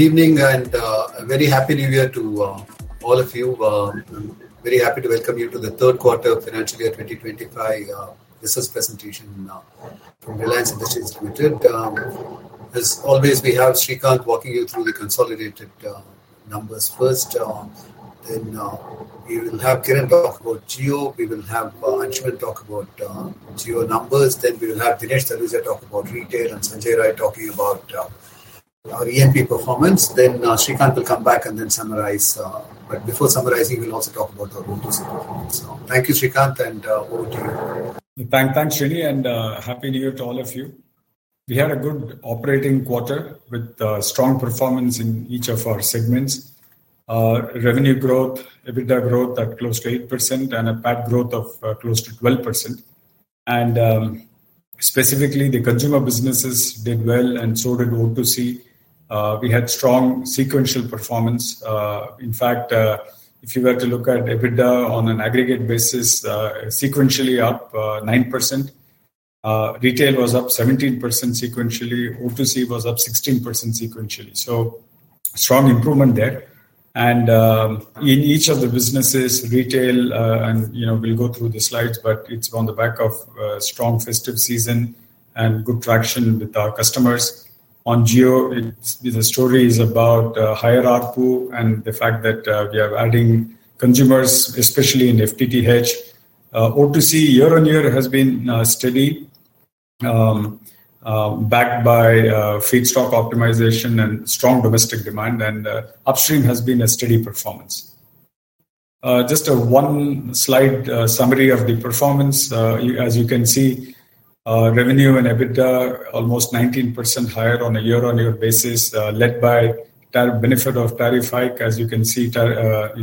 Good evening and a very happy New Year to all of you. Very happy to welcome you to the third quarter of financial year 2025 business presentation from Reliance Industries Limited. As always, we have Srikanth walking you through the consolidated numbers first. Then we will have Kiran talk about Jio. We will have Anshuman talk about Jio numbers. Then we will have Dinesh Taluja talk about retail and Sanjay Roy talking about our O2C performance. Then Srikanth will come back and then summarize. But before summarizing, we'll also talk about our performance. Thank you, Srikanth, and over to you. Thanks, Srini, and happy New Year to all of you. We had a good operating quarter with strong performance in each of our segments: revenue growth, EBITDA growth at close to 8%, and a PAT growth of close to 12%. And specifically, the consumer businesses did well, and so did O2C. We had strong sequential performance. In fact, if you were to look at EBITDA on an aggregate basis, sequentially up 9%. Retail was up 17% sequentially. O2C was up 16% sequentially. So strong improvement there. And in each of the businesses, retail, and we'll go through the slides, but it's on the back of a strong festive season and good traction with our customers. On Jio, the story is about higher ARPU and the fact that we are adding consumers, especially in FTTH. O2C year-on-year has been steady, backed by feedstock optimization and strong domestic demand, and upstream has been a steady performance. Just a one slide summary of the performance. As you can see, revenue and EBITDA almost 19% higher on a year-on-year basis, led by benefit of tariff hike. As you can see, ARPU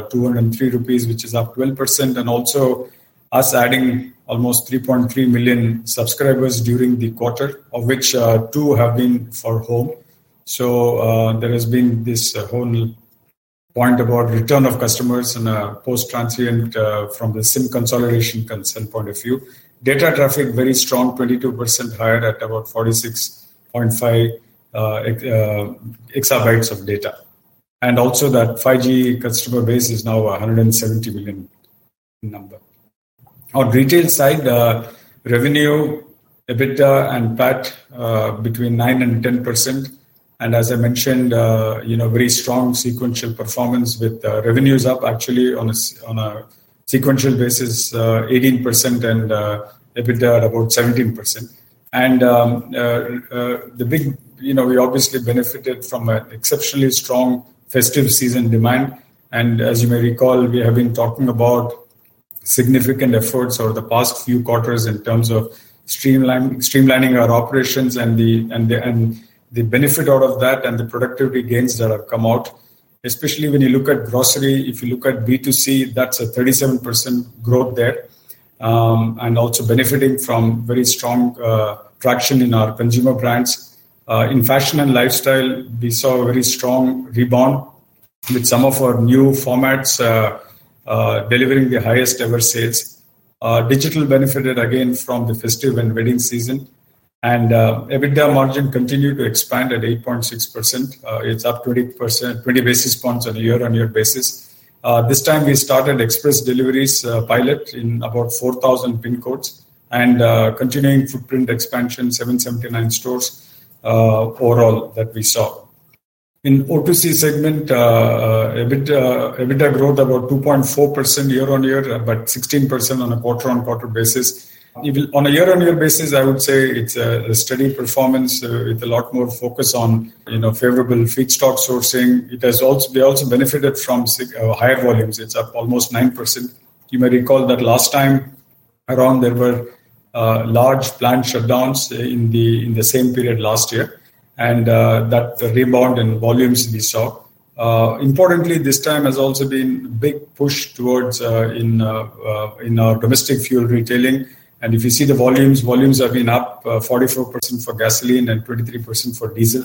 at 203 rupees, which is up 12%, and also us adding almost 3.3 million subscribers during the quarter, of which two have been for home. So there has been this whole point about return of customers and post-transient from the SIM consolidation concern point of view. Data traffic, very strong, 22% higher at about 46.5 exabytes of data. And also that 5G customer base is now 170 million number. On retail side, revenue, EBITDA and PAT between 9% and 10%. As I mentioned, very strong sequential performance with revenues up, actually, on a sequential basis, 18% and EBITDA at about 17%. The big, we obviously benefited from an exceptionally strong festive season demand. As you may recall, we have been talking about significant efforts over the past few quarters in terms of streamlining our operations and the benefit out of that and the productivity gains that have come out, especially when you look at grocery. If you look at B2C, that's a 37% growth there, and also benefiting from very strong traction in our consumer brands. In fashion and lifestyle, we saw a very strong rebound with some of our new formats delivering the highest ever sales. Digital benefited again from the festive and wedding season, and EBITDA margin continued to expand at 8.6%. It's up 20 basis points on a year-on-year basis. This time, we started express deliveries pilot in about 4,000 pin codes and continuing footprint expansion, 779 stores overall that we saw. In O2C segment, EBITDA growth about 2.4% year-on-year, but 16% on a quarter-on-quarter basis. On a year-on-year basis, I would say it's a steady performance with a lot more focus on favorable feedstock sourcing. It has also benefited from higher volumes. It's up almost 9%. You may recall that last time around, there were large plant shutdowns in the same period last year, and that rebound in volumes we saw. Importantly, this time has also been a big push towards our domestic fuel retailing, and if you see the volumes, volumes have been up 44% for gasoline and 23% for diesel.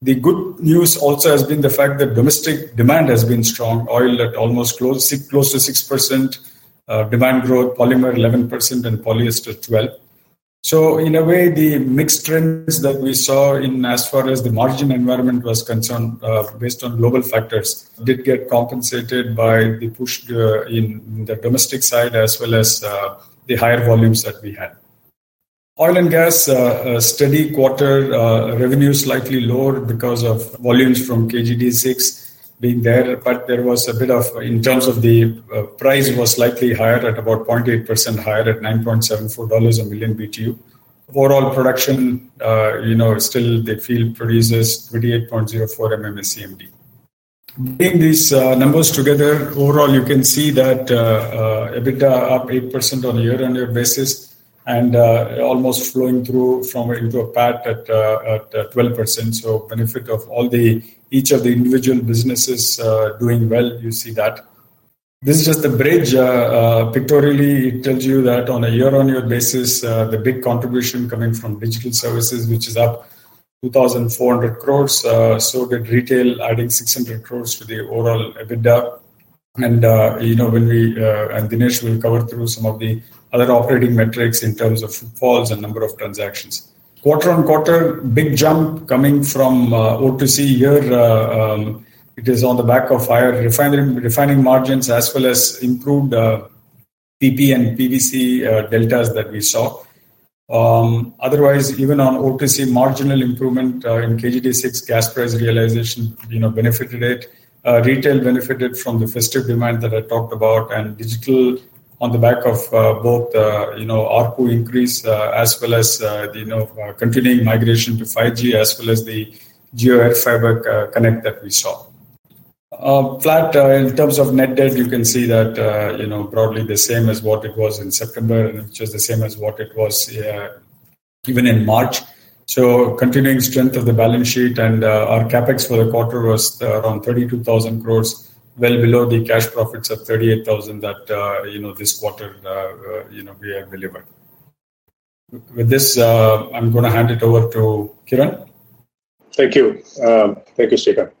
The good news also has been the fact that domestic demand has been strong. Oil at almost close to 6% demand growth, polymer 11%, and polyester 12%. So in a way, the mixed trends that we saw as far as the margin environment was concerned, based on global factors, did get compensated by the push in the domestic side as well as the higher volumes that we had. Oil and gas, steady quarter, revenue slightly lower because of volumes from KG-D6 being there, but there was a bit of, in terms of the price, was slightly higher at about 0.8% higher at $9.74 a MMBtu. Overall production, still, the field produces 28.04 MMSCMD. Bringing these numbers together, overall, you can see that EBITDA up 8% on a year-on-year basis and almost flowing through from into a PAT at 12%. So benefit of each of the individual businesses doing well, you see that. This is just the bridge. Pictorially, it tells you that on a year-on-year basis, the big contribution coming from digital services, which is up 2,400 crores, so did retail adding 600 crores to the overall EBITDA. When we and Dinesh will cover through some of the other operating metrics in terms of footfalls and number of transactions. Quarter-on-quarter, big jump coming from O2C here. It is on the back of higher refining margins as well as improved PP and PVC deltas that we saw. Otherwise, even on O2C, marginal improvement in KG-D6 gas price realization benefited it. Retail benefited from the festive demand that I talked about and digital on the back of both ARPU increase as well as continuing migration to 5G as well as the Jio FTTH fiber connect that we saw. Flat in terms of net debt, you can see that broadly the same as what it was in September, which is the same as what it was even in March, so continuing strength of the balance sheet and our CapEx for the quarter was around 32,000 crores, well below the cash profits of 38,000 that this quarter we have delivered. With this, I'm going to hand it over to Kiran. Thank you. Thank you, Srikanth. So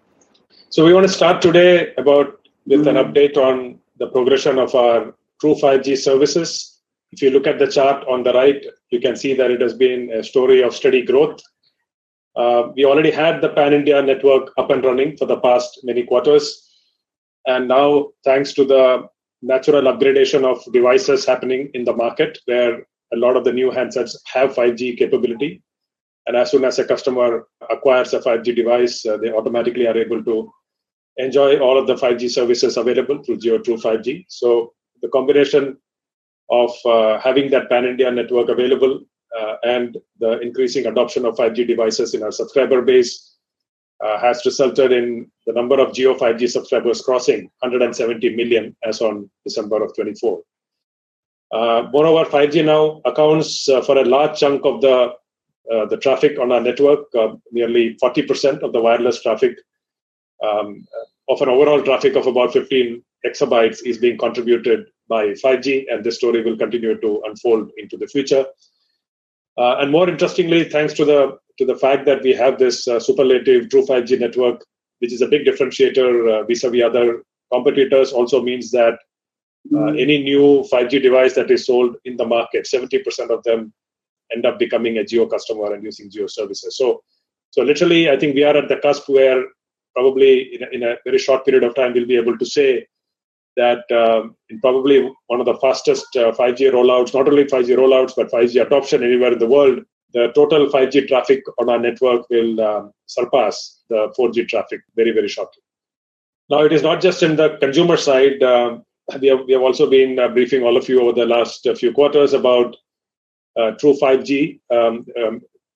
we want to start today with an update on the progression of our True 5G services. If you look at the chart on the right, you can see that it has been a story of steady growth. We already had the Pan India network up and running for the past many quarters. And now, thanks to the natural upgradation of devices happening in the market, where a lot of the new handsets have 5G capability. And as soon as a customer acquires a 5G device, they automatically are able to enjoy all of the 5G services available through Jio True 5G. So the combination of having that Pan India network available and the increasing adoption of 5G devices in our subscriber base has resulted in the number of Jio 5G subscribers crossing 170 million as on December of 2024. Moreover, 5G now accounts for a large chunk of the traffic on our network, nearly 40% of the wireless traffic. Of an overall traffic of about 15 exabytes, [it] is being contributed by 5G, and this story will continue to unfold into the future. More interestingly, thanks to the fact that we have this superlative true 5G network, which is a big differentiator vis-à-vis other competitors, [it] also means that any new 5G device that is sold in the market, 70% of them end up becoming a Jio customer and using Jio services. Literally, I think we are at the cusp where probably in a very short period of time, we'll be able to say that in probably one of the fastest 5G rollouts, not only 5G rollouts, but 5G adoption anywhere in the world, the total 5G traffic on our network will surpass the 4G traffic very, very shortly. Now, it is not just in the consumer side. We have also been briefing all of you over the last few quarters about Jio True 5G,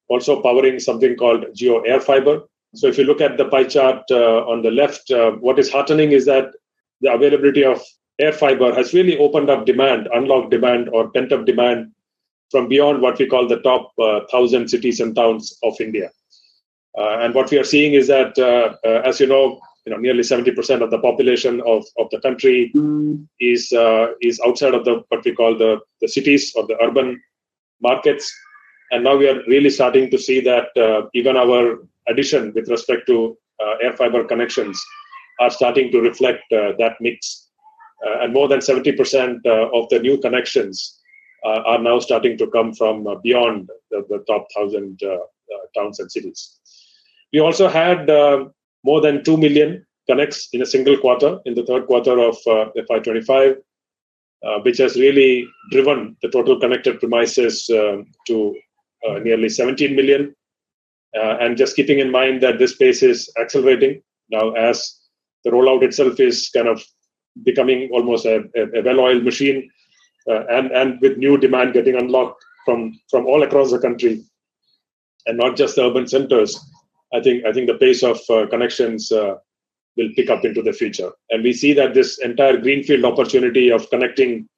also powering something called Jio AirFiber. So if you look at the pie chart on the left, what is heartening is that the availability of Jio AirFiber has really opened up demand, unlocked demand, or pent-up demand from beyond what we call the top 1,000 cities and towns of India. And what we are seeing is that, as you know, nearly 70% of the population of the country is outside of what we call the cities or the urban markets. And now we are really starting to see that even our addition with respect to Jio AirFiber connections are starting to reflect that mix. More than 70% of the new connections are now starting to come from beyond the top 1,000 towns and cities. We also had more than 2 million connects in a single quarter in the third quarter of FY25, which has really driven the total connected premises to nearly 17 million. Just keeping in mind that this pace is accelerating now as the rollout itself is kind of becoming almost a well-oiled machine and with new demand getting unlocked from all across the country and not just urban centers. I think the pace of connections will pick up into the future. We see that this entire greenfield opportunity of connecting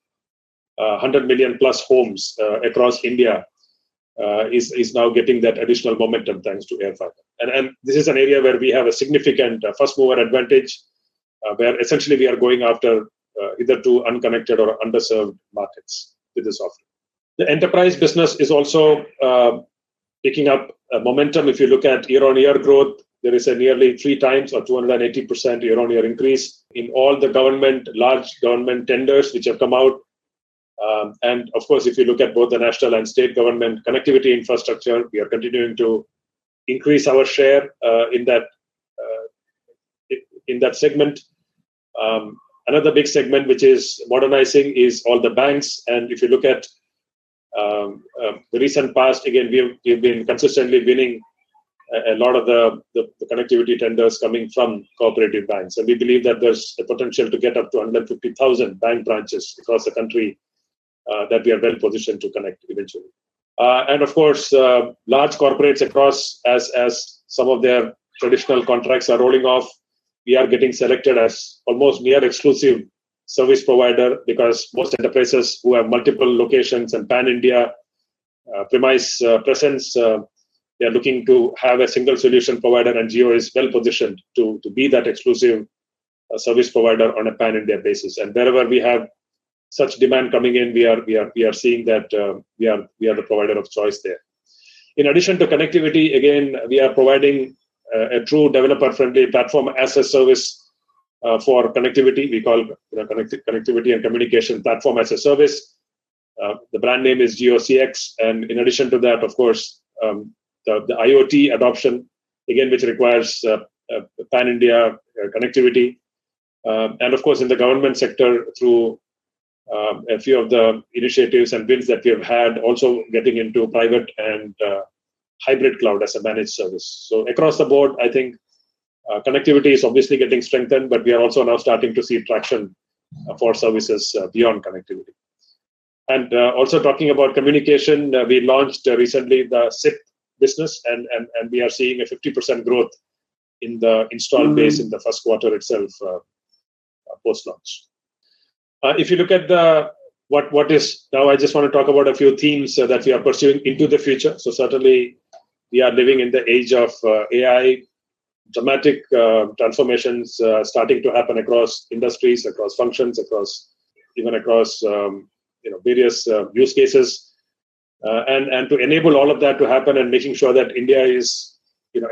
100 million plus homes across India is now getting that additional momentum thanks to air fiber. And this is an area where we have a significant first mover advantage where essentially we are going after either two unconnected or underserved markets with this offering. The enterprise business is also picking up momentum. If you look at year-on-year growth, there is a nearly three times or 280% year-on-year increase in all the government, large government tenders which have come out. And of course, if you look at both the national and state government connectivity infrastructure, we are continuing to increase our share in that segment. Another big segment, which is modernizing, is all the banks. And if you look at the recent past, again, we have been consistently winning a lot of the connectivity tenders coming from cooperative banks. And we believe that there's a potential to get up to 150,000 bank branches across the country that we are well positioned to connect eventually. Of course, large corporates across, as some of their traditional contracts are rolling off, we are getting selected as almost near exclusive service provider because most enterprises who have multiple locations and Pan India premises presence, they are looking to have a single solution provider, and Jio is well positioned to be that exclusive service provider on a Pan India basis. Wherever we have such demand coming in, we are seeing that we are the provider of choice there. In addition to connectivity, again, we are providing a true developer-friendly platform as a service for connectivity. We call connectivity and communication platform as a service. The brand name is JioCX. In addition to that, of course, the IoT adoption, again, which requires Pan India connectivity. And of course, in the government sector, through a few of the initiatives and wins that we have had, also getting into private and hybrid cloud as a managed service. So across the board, I think connectivity is obviously getting strengthened, but we are also now starting to see traction for services beyond connectivity. And also talking about communication, we launched recently the SIP business, and we are seeing a 50% growth in the install base in the first quarter itself post-launch. If you look at what is now, I just want to talk about a few themes that we are pursuing into the future. So certainly, we are living in the age of AI, dramatic transformations starting to happen across industries, across functions, even across various use cases. To enable all of that to happen and making sure that India is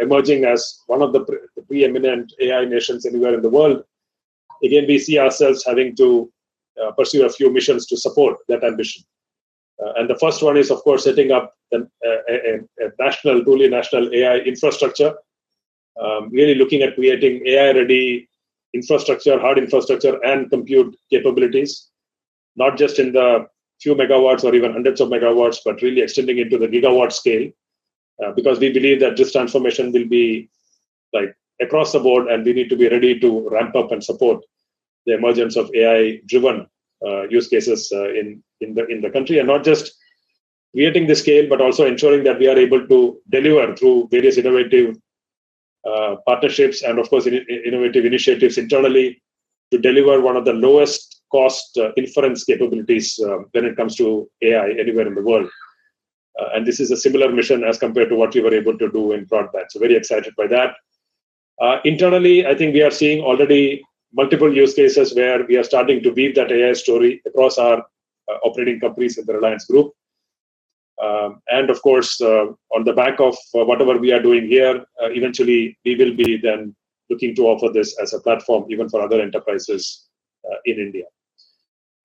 emerging as one of the preeminent AI nations anywhere in the world, again, we see ourselves having to pursue a few missions to support that ambition. And the first one is, of course, setting up a national, truly national AI infrastructure, really looking at creating AI-ready infrastructure, hard infrastructure, and compute capabilities, not just in the few megawatts or even hundreds of megawatts, but really extending into the gigawatt scale, because we believe that this transformation will be across the board, and we need to be ready to ramp up and support the emergence of AI-driven use cases in the country, and not just creating the scale, but also ensuring that we are able to deliver through various innovative partnerships and, of course, innovative initiatives internally to deliver one of the lowest cost inference capabilities when it comes to AI anywhere in the world. And this is a similar mission as compared to what we were able to do in broadband. So very excited by that. Internally, I think we are seeing already multiple use cases where we are starting to weave that AI story across our operating companies in the Reliance Group, and of course, on the back of whatever we are doing here, eventually, we will be then looking to offer this as a platform even for other enterprises in India,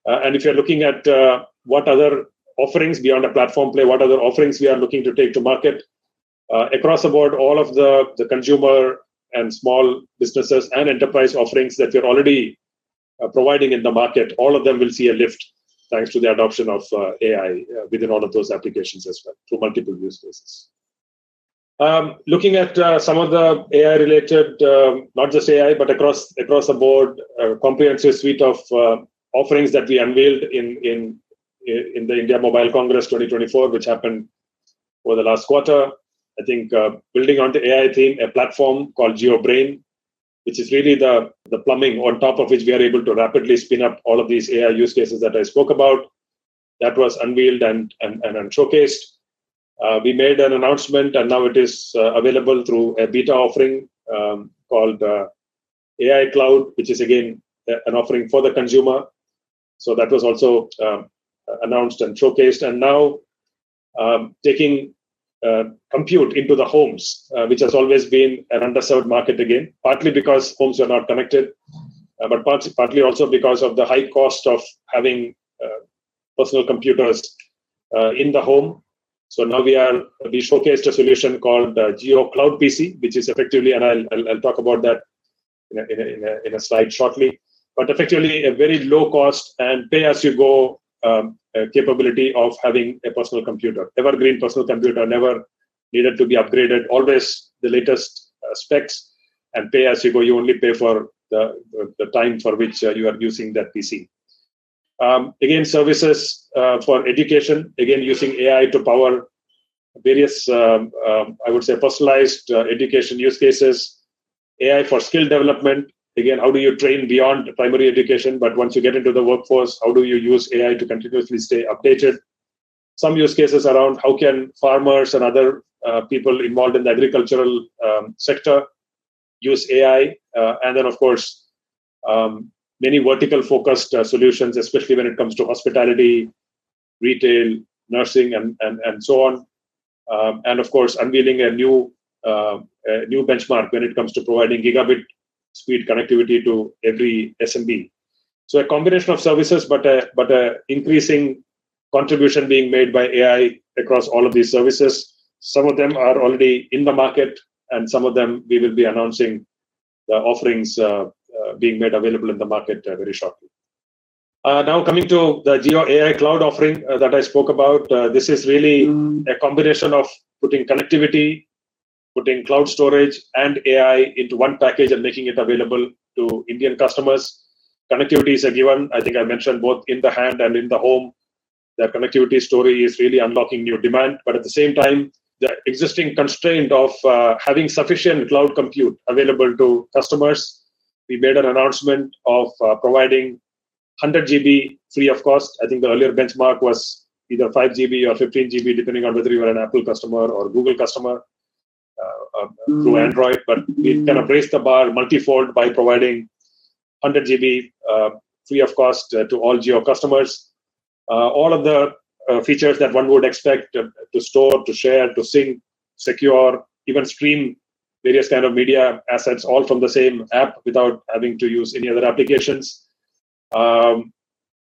and if you're looking at what other offerings beyond a platform play, what other offerings we are looking to take to market across the board, all of the consumer and small businesses and enterprise offerings that we are already providing in the market, all of them will see a lift thanks to the adoption of AI within all of those applications as well through multiple use cases. Looking at some of the AI-related, not just AI, but across the board, comprehensive suite of offerings that we unveiled in the India Mobile Congress 2024, which happened over the last quarter. I think building on the AI theme, a platform called JioBrain, which is really the plumbing on top of which we are able to rapidly spin up all of these AI use cases that I spoke about that was unveiled and showcased. We made an announcement, and now it is available through a beta offering called JioAICloud, which is again an offering for the consumer. So that was also announced and showcased. And now taking compute into the homes, which has always been an underserved market, again, partly because homes are not connected, but partly also because of the high cost of having personal computers in the home. So now we showcased a solution called JioCloud PC, which is effectively, and I'll talk about that in a slide shortly, but effectively a very low-cost and pay-as-you-go capability of having a personal computer, evergreen personal computer, never needed to be upgraded, always the latest specs, and pay-as-you-go. You only pay for the time for which you are using that PC. Again, services for education, again, using AI to power various, I would say, personalized education use cases, AI for skill development. Again, how do you train beyond primary education? But once you get into the workforce, how do you use AI to continuously stay updated? Some use cases around how can farmers and other people involved in the agricultural sector use AI? And then, of course, many vertical-focused solutions, especially when it comes to hospitality, retail, nursing, and so on. Of course, unveiling a new benchmark when it comes to providing gigabit speed connectivity to every SMB. So a combination of services, but an increasing contribution being made by AI across all of these services. Some of them are already in the market, and some of them we will be announcing the offerings being made available in the market very shortly. Now coming to the JioAICloud offering that I spoke about, this is really a combination of putting connectivity, putting cloud storage, and AI into one package and making it available to Indian customers. Connectivity is a given. I think I mentioned both in the hand and in the home. The connectivity story is really unlocking new demand. But at the same time, the existing constraint of having sufficient cloud compute available to customers, we made an announcement of providing 100 GB free of cost. I think the earlier benchmark was either 5 GB or 15 GB, depending on whether you are an Apple customer or Google customer through Android. But we kind of raised the bar multi-fold by providing 100 GB free of cost to all Jio customers. All of the features that one would expect to store, to share, to sync, secure, even stream various kinds of media assets, all from the same app without having to use any other applications.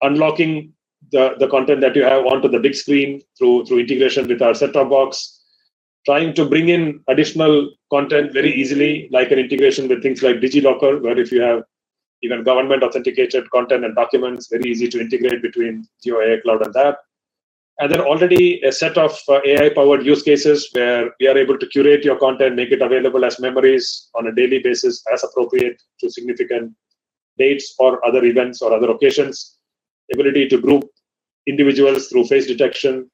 Unlocking the content that you have onto the big screen through integration with our set-top box, trying to bring in additional content very easily, like an integration with things like DigiLocker, where if you have even government-authenticated content and documents, very easy to integrate between JioAICloud and that. And then already a set of AI-powered use cases where we are able to curate your content, make it available as memories on a daily basis as appropriate to significant dates or other events or other occasions, ability to group individuals through face detection,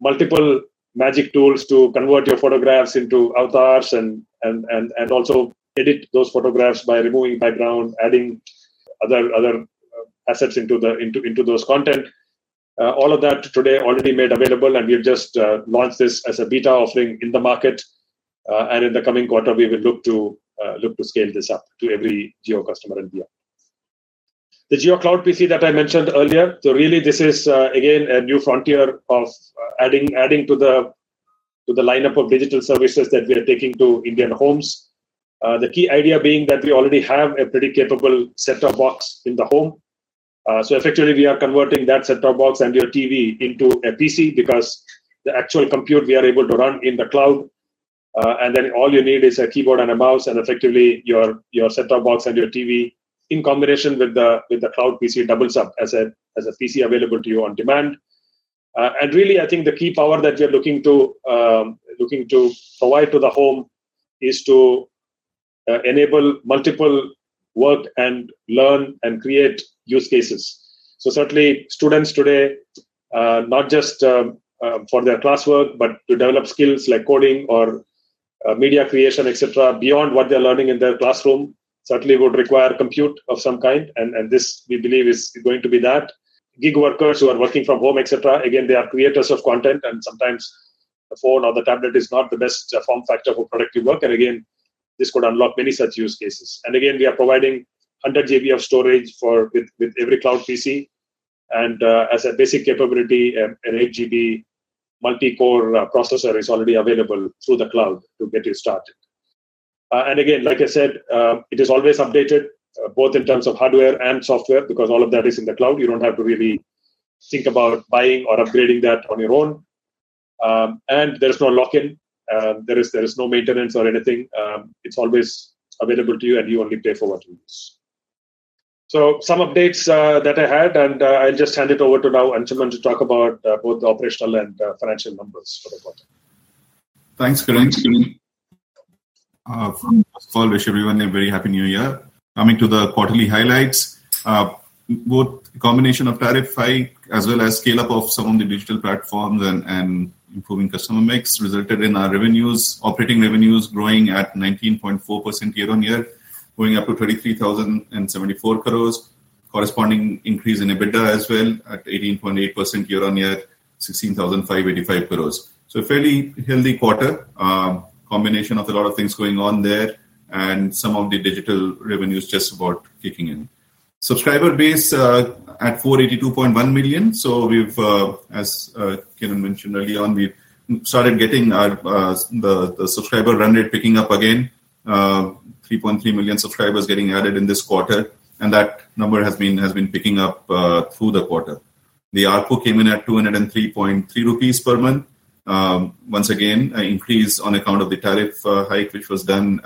multiple magic tools to convert your photographs into avatars, and also edit those photographs by removing background, adding other assets into those content. All of that today already made available, and we have just launched this as a beta offering in the market. And in the coming quarter, we will look to scale this up to every Jio customer and beyond. The JioCloud PC that I mentioned earlier, so really this is, again, a new frontier of adding to the lineup of digital services that we are taking to Indian homes. The key idea being that we already have a pretty capable set-top box in the home. So effectively, we are converting that set-top box and your TV into a PC because the actual compute we are able to run in the cloud. And then all you need is a keyboard and a mouse, and effectively your set-top box and your TV in combination with the cloud PC doubles up as a PC available to you on demand. And really, I think the key power that we are looking to provide to the home is to enable multiple work and learn and create use cases. So certainly, students today, not just for their classwork, but to develop skills like coding or media creation, etc., beyond what they're learning in their classroom, certainly would require compute of some kind. And this, we believe, is going to be that. Gig workers who are working from home, etc., again, they are creators of content, and sometimes the phone or the tablet is not the best form factor for productive work. And again, this could unlock many such use cases. And again, we are providing 100 GB of storage with every cloud PC. And as a basic capability, an 8 GB multi-core processor is already available through the cloud to get you started. And again, like I said, it is always updated, both in terms of hardware and software, because all of that is in the cloud. You don't have to really think about buying or upgrading that on your own. And there's no lock-in. There is no maintenance or anything. It's always available to you, and you only pay for what you use. So some updates that I had, and I'll just hand it over to now Anshuman to talk about both the operational and financial numbers for the quarter. Thanks, Kiran. First of all, wish everyone a very happy New Year. Coming to the quarterly highlights, both a combination of tariff hike as well as scale-up of some of the digital platforms and improving customer mix resulted in our revenues, operating revenues growing at 19.4% year-on-year, going up to 33,074 crores. Corresponding increase in EBITDA as well at 18.8% year-on-year, 16,585 crores. So a fairly healthy quarter, combination of a lot of things going on there, and some of the digital revenues just about kicking in. Subscriber base at 482.1 million. We've, as Kiran mentioned earlier on, we've started getting the subscriber run rate picking up again, 3.3 million subscribers getting added in this quarter, and that number has been picking up through the quarter. The ARPU came in at 203.3 rupees per month, once again, an increase on account of the tariff hike, which was done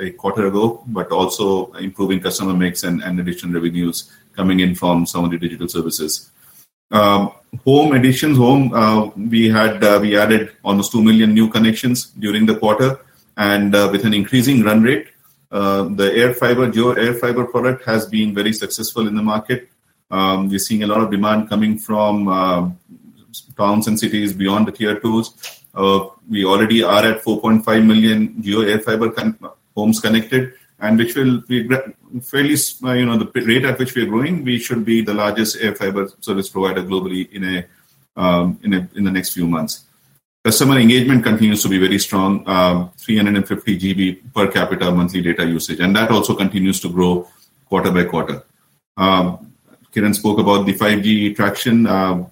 a quarter ago, but also improving customer mix and additional revenues coming in from some of the digital services. Home additions, home we added almost 2 million new connections during the quarter, and with an increasing run rate, the Jio AirFiber product has been very successful in the market. We're seeing a lot of demand coming from towns and cities beyond the tier twos. We already are at 4.5 million Jio AirFiber homes connected, and which will be fairly the rate at which we are growing, we should be the largest AirFiber service provider globally in the next few months. Customer engagement continues to be very strong, 350 GB per capita monthly data usage, and that also continues to grow quarter by quarter. Kiran spoke about the 5G traction, both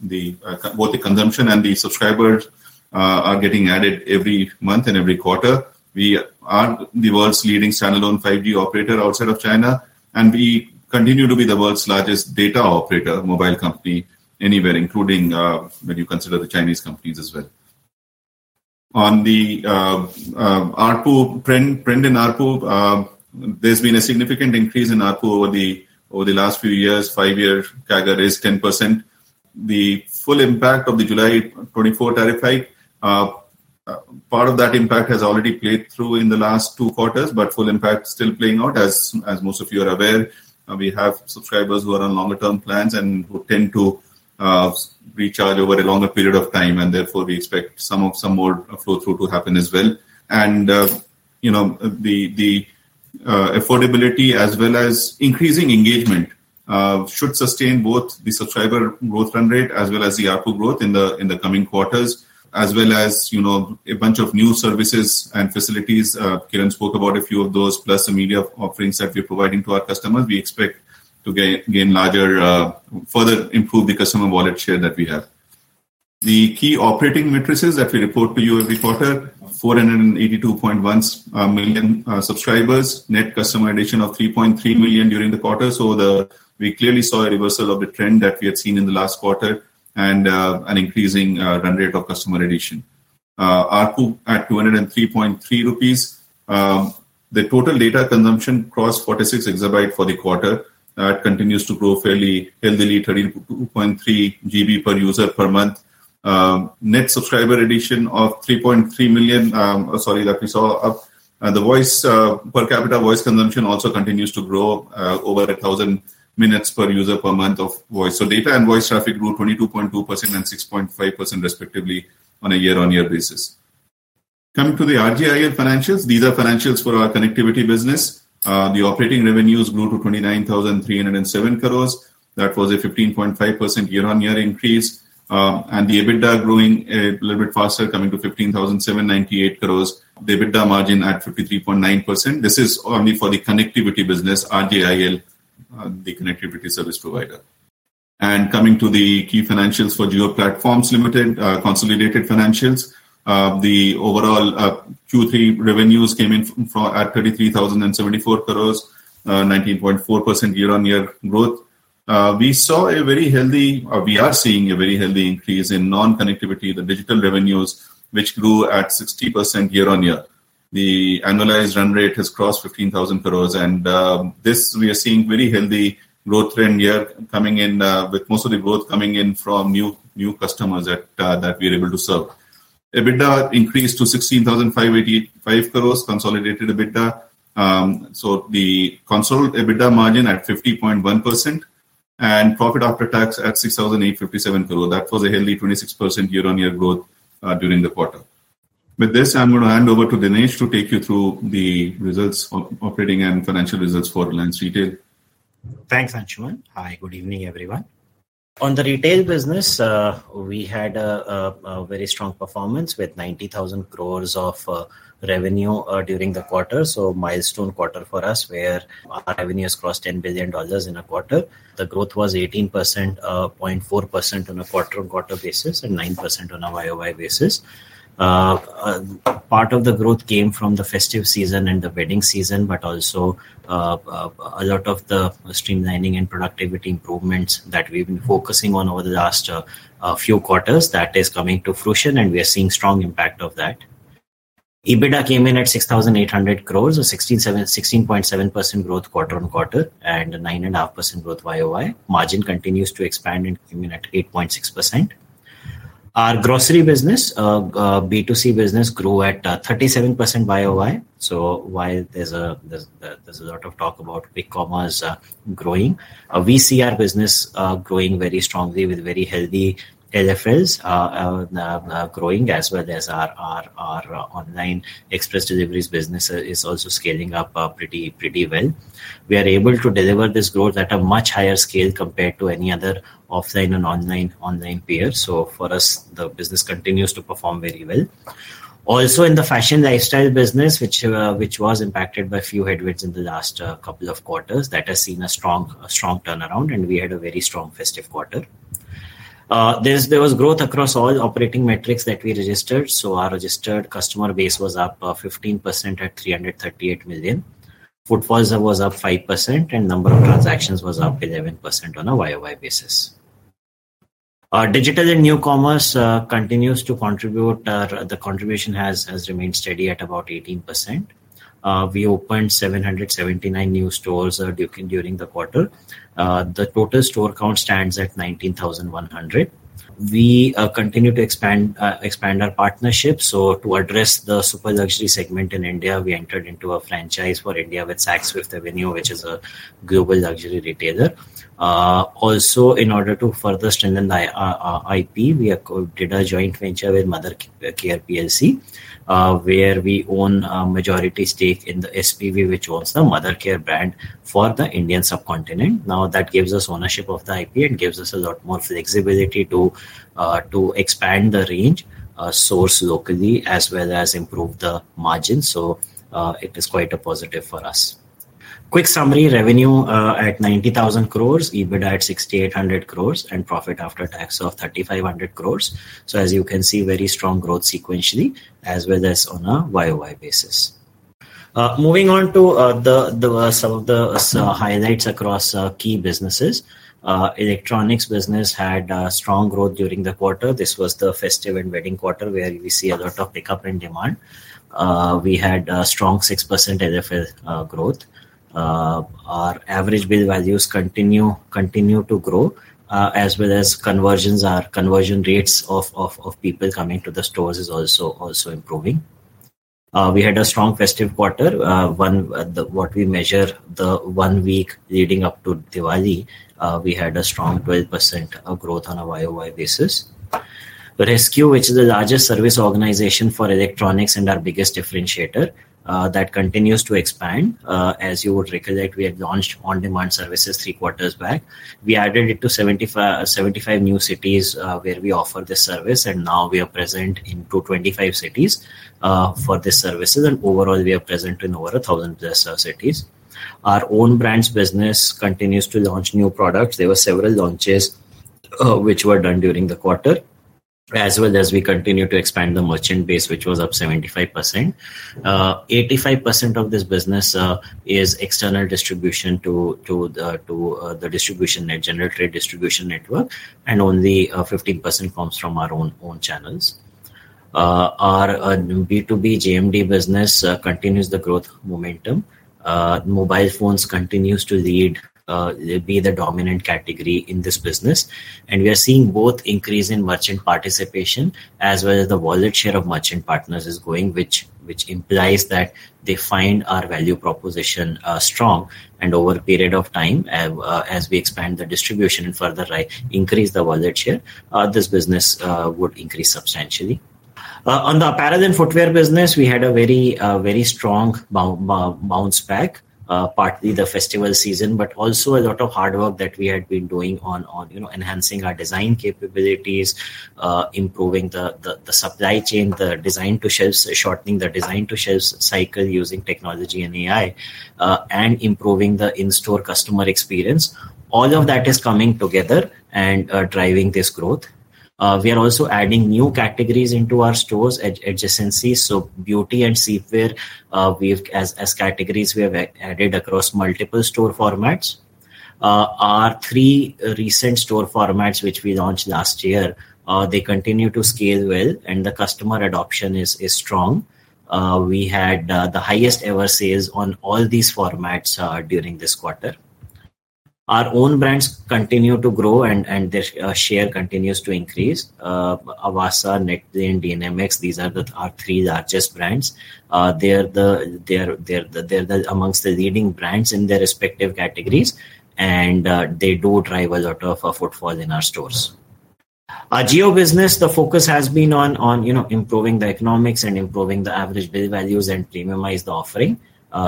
the consumption and the subscribers are getting added every month and every quarter. We are the world's leading standalone 5G operator outside of China, and we continue to be the world's largest data operator mobile company anywhere, including when you consider the Chinese companies as well. On the ARPU front, the ARPU, there's been a significant increase in ARPU over the last few years. Five-year CAGR is 10%. The full impact of the July 24 tariff hike, part of that impact has already played through in the last two quarters, but full impact still playing out, as most of you are aware. We have subscribers who are on longer-term plans and who tend to recharge over a longer period of time, and therefore we expect some more flow-through to happen as well. The affordability, as well as increasing engagement, should sustain both the subscriber growth run rate as well as the ARPU growth in the coming quarters, as well as a bunch of new services and facilities. Kiran spoke about a few of those, plus the media offerings that we're providing to our customers. We expect to gain larger, further improve the customer wallet share that we have. The key operating metrics that we report to you every quarter, 482.1 million subscribers, net customer addition of 3.3 million during the quarter. So we clearly saw a reversal of the trend that we had seen in the last quarter and an increasing run rate of customer addition. ARPU at 203.3 rupees, the total data consumption crossed 46 exabytes for the quarter. That continues to grow fairly healthily, 32.3 GB per user per month. Net subscriber addition of 3.3 million, sorry, that we saw up. The per capita voice consumption also continues to grow over 1,000 minutes per user per month of voice. So data and voice traffic grew 22.2% and 6.5% respectively on a year-on-year basis. Coming to the RJIL financials, these are financials for our connectivity business. The operating revenues grew to 29,307 crores. That was a 15.5% year-on-year increase. The EBITDA growing a little bit faster, coming to 15,798 crores. The EBITDA margin at 53.9%. This is only for the connectivity business, RJIL, the connectivity service provider. Coming to the key financials for Jio Platforms Limited, consolidated financials, the overall Q3 revenues came in at 33,074 crores, 19.4% year-on-year growth. We saw a very healthy, or we are seeing a very healthy increase in non-connectivity, the digital revenues, which grew at 60% year-on-year. The annualized run rate has crossed 15,000 crores, and this we are seeing very healthy growth trend here coming in with most of the growth coming in from new customers that we are able to serve. EBITDA increased to 16,585 crores, consolidated EBITDA. The consolidated EBITDA margin at 50.1% and profit after tax at 6,857 crores. That was a healthy 26% year-on-year growth during the quarter. With this, I'm going to hand over to Dinesh to take you through the results, operating and financial results for Reliance Retail. Thanks, Anshuman. Hi, good evening, everyone. On the retail business, we had a very strong performance with 90,000 crores of revenue during the quarter. So milestone quarter for us, where our revenues crossed $10 billion in a quarter. The growth was 18.4% on a quarter-on-quarter basis and 9% on a YoY basis. Part of the growth came from the festive season and the wedding season, but also a lot of the streamlining and productivity improvements that we've been focusing on over the last few quarters that is coming to fruition, and we are seeing strong impact of that. EBITDA came in at 6,800 crores, a 16.7% growth quarter-on-quarter and 9.5% growth YoY. Margin continues to expand and came in at 8.6%. Our grocery business, B2C business, grew at 37% YoY. So while there's a lot of talk about big commerce growing, we see our business growing very strongly with very healthy LFLs growing, as well as our online express deliveries business is also scaling up pretty well. We are able to deliver this growth at a much higher scale compared to any other offline and online peers. So for us, the business continues to perform very well. Also in the fashion lifestyle business, which was impacted by a few headwinds in the last couple of quarters, that has seen a strong turnaround, and we had a very strong festive quarter. There was growth across all operating metrics that we registered. So our registered customer base was up 15% at 338 million. Footfalls was up 5%, and number of transactions was up 11% on a YoY basis. Digital and new commerce continues to contribute. The contribution has remained steady at about 18%. We opened 779 new stores during the quarter. The total store count stands at 19,100. We continue to expand our partnership so to address the super luxury segment in India, we entered into a franchise for India with Saks Fifth Avenue, which is a global luxury retailer. Also, in order to further strengthen the IP, we did a joint venture with Mothercare plc, where we own a majority stake in the SPV, which owns the Mothercare brand for the Indian subcontinent. Now that gives us ownership of the IP and gives us a lot more flexibility to expand the range, source locally, as well as improve the margin, so it is quite a positive for us. Quick summary, revenue at 90,000 crores, EBITDA at 6,800 crores, and profit after tax of 3,500 crores. As you can see, very strong growth sequentially, as well as on a YoY basis. Moving on to some of the highlights across key businesses, electronics business had strong growth during the quarter. This was the festive and wedding quarter, where we see a lot of pickup and demand. We had a strong 6% LFL growth. Our average bill values continue to grow, as well as conversion rates of people coming to the stores is also improving. We had a strong festive quarter. What we measure, the one week leading up to Diwali, we had a strong 12% growth on a YoY basis. resQ, which is the largest service organization for electronics and our biggest differentiator, that continues to expand. As you would recollect, we had launched on-demand services three quarters back. We added it to 75 new cities where we offer this service, and now we are present in 225 cities for this service. And overall, we are present in over 1,000 cities. Our own brand's business continues to launch new products. There were several launches which were done during the quarter, as well as we continue to expand the merchant base, which was up 75%. 85% of this business is external distribution to the next-generation distribution network, and only 15% comes from our own channels. Our B2B JMD business continues the growth momentum. Mobile phones continue to be the dominant category in this business. And we are seeing both increase in merchant participation, as well as the wallet share of merchant partners is growing, which implies that they find our value proposition strong. Over a period of time, as we expand the distribution and further increase the wallet share, this business would increase substantially. On the apparel and footwear business, we had a very strong bounce back, partly the festival season, but also a lot of hard work that we had been doing on enhancing our design capabilities, improving the supply chain, the design to shelves, shortening the design to shelves cycle using technology and AI, and improving the in-store customer experience. All of that is coming together and driving this growth. We are also adding new categories into our stores adjacency. Beauty and seafood, as categories, we have added across multiple store formats. Our three recent store formats, which we launched last year, they continue to scale well, and the customer adoption is strong. We had the highest ever sales on all these formats during this quarter. Our own brands continue to grow, and their share continues to increase. Avaasa, Netplay, DNMX, these are the three largest brands. They are amongst the leading brands in their respective categories, and they do drive a lot of footfalls in our stores. Our Ajio business, the focus has been on improving the economics and improving the average bill values and premiumize the offering.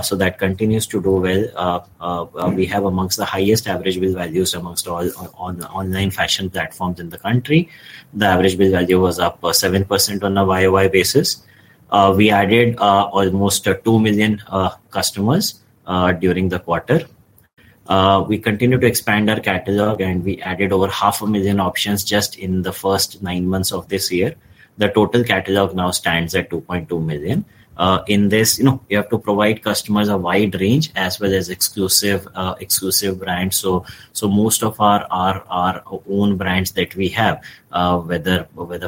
So that continues to do well. We have amongst the highest average bill values amongst all online fashion platforms in the country. The average bill value was up 7% on a YoY basis. We added almost 2 million customers during the quarter. We continue to expand our catalog, and we added over 500,000 options just in the first nine months of this year. The total catalog now stands at 2.2 million. In this, you have to provide customers a wide range as well as exclusive brands. So most of our own brands that we have, whether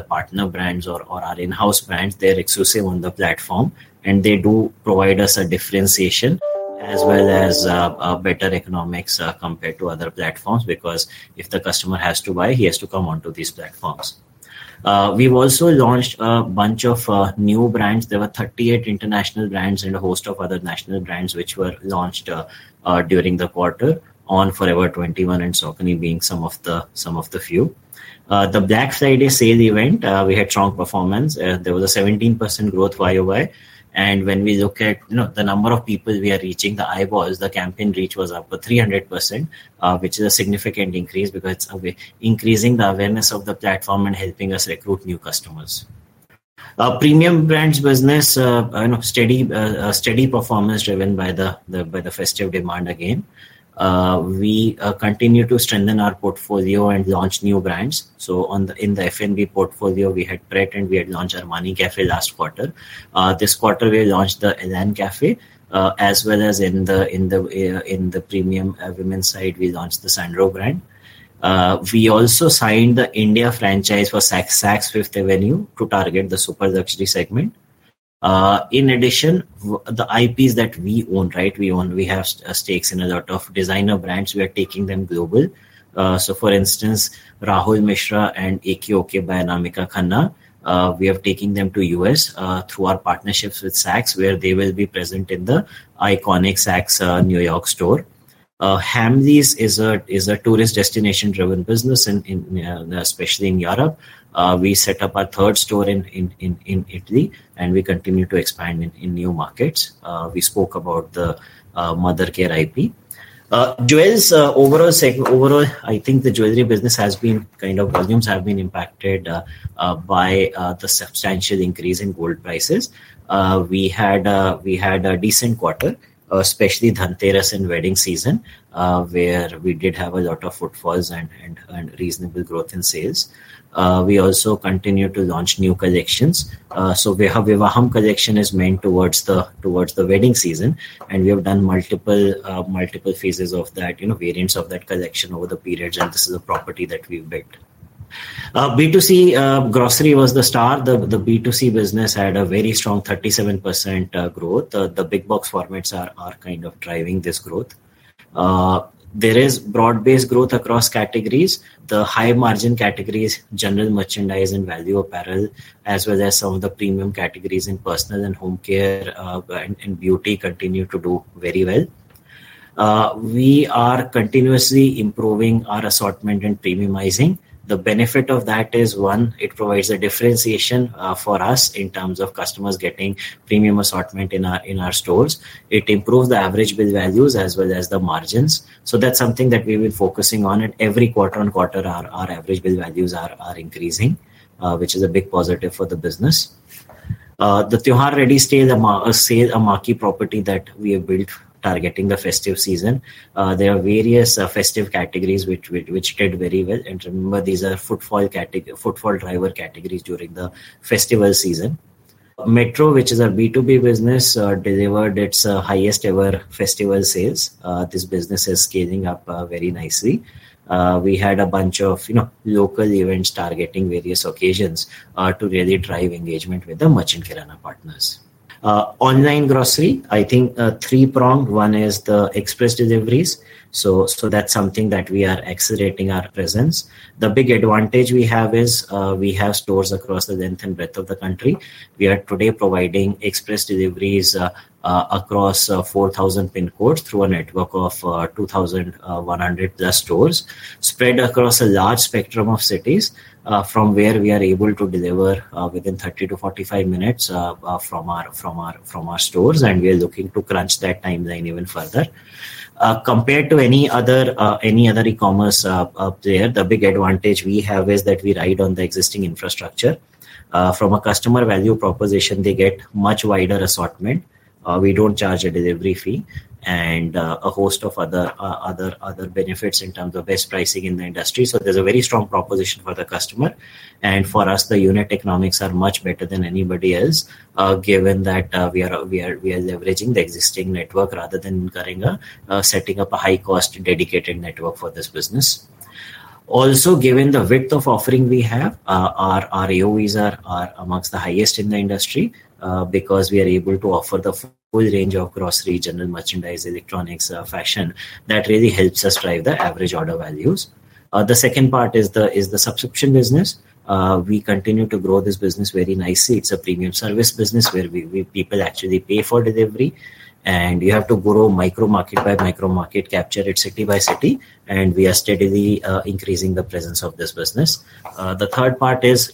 partner brands or our in-house brands, they're exclusive on the platform, and they do provide us a differentiation as well as better economics compared to other platforms because if the customer has to buy, he has to come onto these platforms. We've also launched a bunch of new brands. There were 38 international brands and a host of other national brands which were launched during the quarter on Forever 21 and Saucony being some of the few. The Black Friday sale event, we had strong performance. There was a 17% growth YoY. And when we look at the number of people we are reaching, the eyeballs, the campaign reach was up to 300%, which is a significant increase because it's increasing the awareness of the platform and helping us recruit new customers. Premium brands business, steady performance driven by the festive demand again. We continue to strengthen our portfolio and launch new brands. So in the F&B portfolio, we had Pret and we had launched Armani Caffè last quarter. This quarter, we launched the EL&N Cafe, as well as in the premium women's side, we launched the Sandro brand. We also signed the India franchise for Saks Fifth Avenue to target the super luxury segment. In addition, the IPs that we own, right, we have stakes in a lot of designer brands. We are taking them global. So for instance, Rahul Mishra and AK-OK by Anamika Khanna, we are taking them to the U.S. through our partnerships with Saks, where they will be present in the iconic Saks New York store. Hamleys is a tourist destination-driven business, especially in Europe. We set up our third store in Italy, and we continue to expand in new markets. We spoke about the Mothercare IP. Jewels, overall, I think the jewelry business has been kind of volumes have been impacted by the substantial increase in gold prices. We had a decent quarter, especially Dhanteras and wedding season, where we did have a lot of footfalls and reasonable growth in sales. We also continue to launch new collections. So Vivaham collection is meant towards the wedding season, and we have done multiple phases of that, variants of that collection over the periods, and this is a property that we've built. B2C grocery was the star. The B2C business had a very strong 37% growth. The big box formats are kind of driving this growth. There is broad-based growth across categories. The high-margin categories, general merchandise and value apparel, as well as some of the premium categories in personal and home care and beauty continue to do very well. We are continuously improving our assortment and premiumizing. The benefit of that is, one, it provides a differentiation for us in terms of customers getting premium assortment in our stores. It improves the average bill values as well as the margins. So that's something that we've been focusing on, and every quarter-on-quarter, our average bill values are increasing, which is a big positive for the business. The Tira ready-to-sell inventory that we have built targeting the festive season. There are various festive categories which did very well. Remember, these are footfall driver categories during the festival season. Metro, which is a B2B business, delivered its highest-ever festival sales. This business is scaling up very nicely. We had a bunch of local events targeting various occasions to really drive engagement with the Merchant Kirana partners. Online grocery, I think three-pronged. One is the express deliveries. So that's something that we are accelerating our presence. The big advantage we have is we have stores across the length and breadth of the country. We are today providing express deliveries across 4,000 pin codes through a network of 2,100 plus stores spread across a large spectrum of cities from where we are able to deliver within 30-45 minutes from our stores, and we are looking to crunch that timeline even further. Compared to any other e-commerce player, the big advantage we have is that we ride on the existing infrastructure. From a customer value proposition, they get much wider assortment. We don't charge a delivery fee and a host of other benefits in terms of best pricing in the industry. So there's a very strong proposition for the customer. And for us, the unit economics are much better than anybody else, given that we are leveraging the existing network rather than setting up a high-cost dedicated network for this business. Also, given the width of offering we have, our AOVs are among the highest in the industry because we are able to offer the full range of grocery, general merchandise, electronics, fashion. That really helps us drive the average order values. The second part is the subscription business. We continue to grow this business very nicely. It's a premium service business where people actually pay for delivery, and you have to grow micro market by micro market, capture it city by city, and we are steadily increasing the presence of this business. The third part is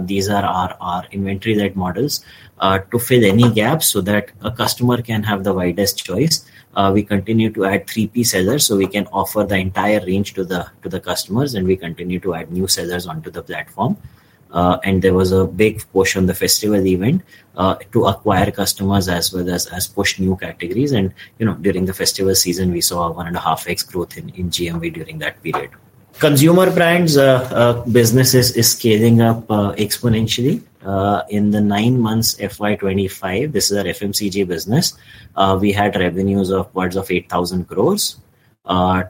these are our inventory-led models to fill any gaps so that a customer can have the widest choice. We continue to add 3P sellers so we can offer the entire range to the customers, and we continue to add new sellers onto the platform. And there was a big push on the festival event to acquire customers as well as push new categories. And during the festival season, we saw a one and a half x growth in GMV during that period. Consumer brands business is scaling up exponentially. In the nine months FY25, this is our FMCG business. We had revenues of around 8,000 crores.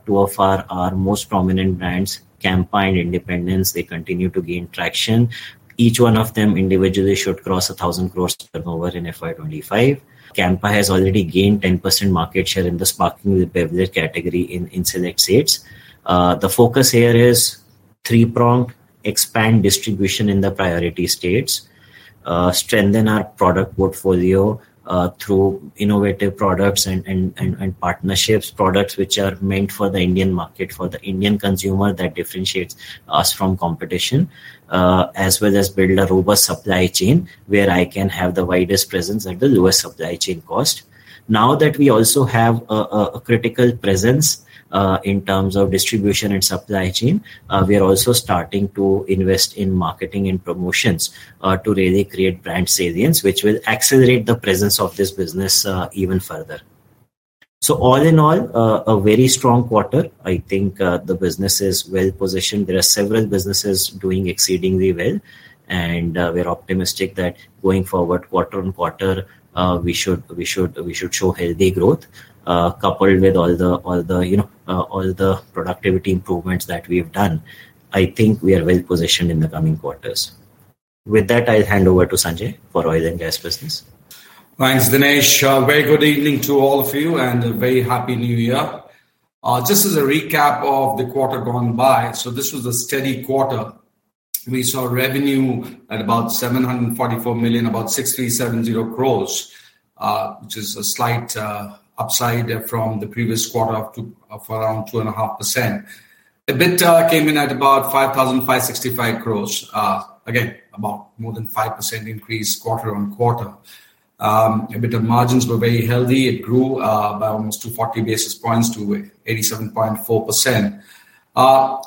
Two of our most prominent brands, Campa and Independence, they continue to gain traction. Each one of them individually should cross 1,000 crores turnover in FY25. Campa has already gained 10% market share in the sparkling beverage category in select states. The focus here is three-pronged: expand distribution in the priority states, strengthen our product portfolio through innovative products and partnerships, products which are meant for the Indian market, for the Indian consumer that differentiates us from competition, as well as build a robust supply chain where I can have the widest presence at the lowest supply chain cost. Now that we also have a critical presence in terms of distribution and supply chain, we are also starting to invest in marketing and promotions to really create brand salience, which will accelerate the presence of this business even further. So all in all, a very strong quarter. I think the business is well positioned. There are several businesses doing exceedingly well, and we're optimistic that going forward quarter-on-quarter, we should show healthy growth coupled with all the productivity improvements that we have done. I think we are well positioned in the coming quarters. With that, I'll hand over to Sanjay for oil and gas business. Thanks, Dinesh. Very good evening to all of you and a very happy New Year. Just as a recap of the quarter gone by, so this was a steady quarter. We saw revenue at about $744 million, about 6,370 crores, which is a slight upside from the previous quarter of around 2.5%. EBITDA came in at about 5,565 crores. Again, about more than 5% increase quarter-on-quarter. EBITDA margins were very healthy. It grew by almost 240 basis points to 87.4%.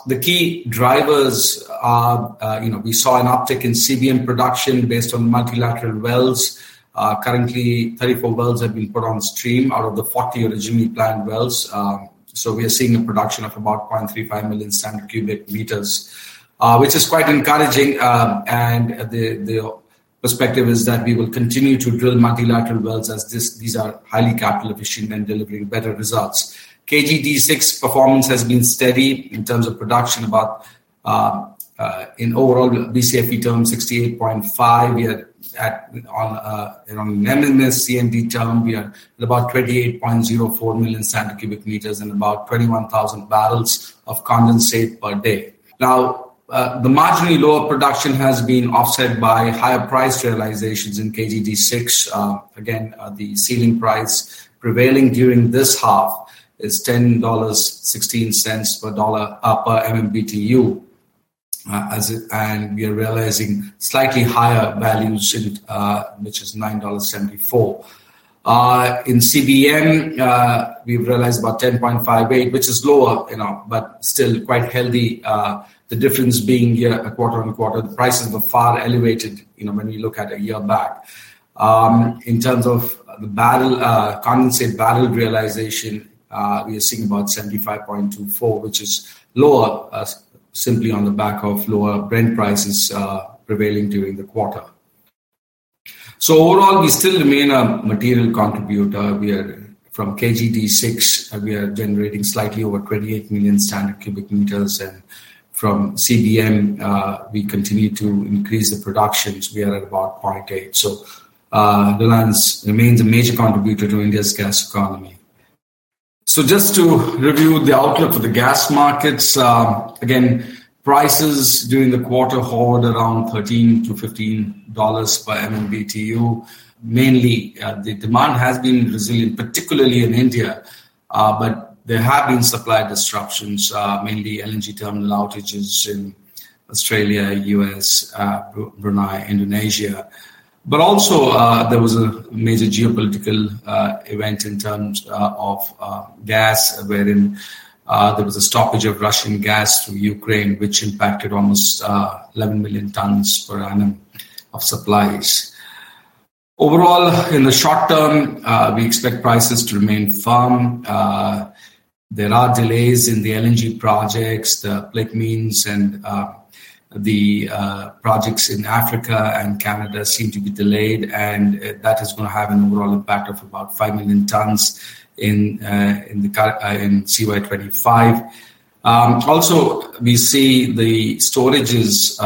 The key drivers. We saw an uptick in CBM production based on multilateral wells. Currently, 34 wells have been put on stream out of the 40 originally planned wells. So we are seeing a production of about 0.35 million standard cubic meters, which is quite encouraging. And the perspective is that we will continue to drill multilateral wells as these are highly capital-efficient and delivering better results. KG-D6 performance has been steady in terms of production about in overall BCFE terms, 68.5. On an MMSCMD term, we are about 28.04 million standard cubic meters and about 21,000 barrels of condensate per day. Now, the marginally lower production has been offset by higher price realizations in KG-D6. Again, the ceiling price prevailing during this half is $10.16 per MMBtu, and we are realizing slightly higher values, which is $9.74. In CBM, we've realized about $10.58, which is lower but still quite healthy. The difference being here a quarter-on-quarter, the prices were far elevated when we look at a year back. In terms of condensate barrel realization, we are seeing about $75.24, which is lower simply on the back of lower Brent prices prevailing during the quarter. So overall, we still remain a material contributor. From KG-D6, we are generating slightly over 28 million standard cubic meters, and from CBM, we continue to increase the productions. We are at about 0.8. So Reliance remains a major contributor to India's gas economy. So just to review the outlook for the gas markets, again, prices during the quarter hold around $13-$15 per MMBtu. Mainly, the demand has been resilient, particularly in India, but there have been supply disruptions, mainly LNG terminal outages in Australia, U.S., Brunei, Indonesia. But also, there was a major geopolitical event in terms of gas, wherein there was a stoppage of Russian gas through Ukraine, which impacted almost 11 million tons per annum of supplies. Overall, in the short term, we expect prices to remain firm. There are delays in the LNG projects. The platforms and the projects in Africa and Canada seem to be delayed, and that is going to have an overall impact of about 5 million tons in CY25. Also, we see the storages